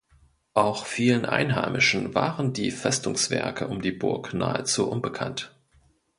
Auch vielen Einheimischen waren die Festungswerke um die Burg nahezu unbekannt.